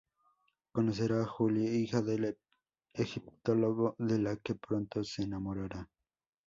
Conocerá a Julie, hija del egiptólogo, de la que pronto se enamorará.